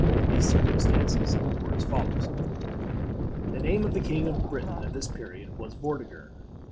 These circumstances were as follows: The name of the king of Britain at this period was Vortigern.